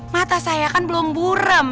mata saya kan belum burem